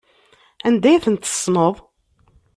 Anda ay ten-tessneḍ?